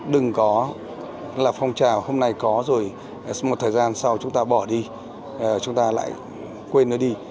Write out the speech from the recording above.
đừng có là phong trào hôm nay có rồi một thời gian sau chúng ta bỏ đi chúng ta lại quên nó đi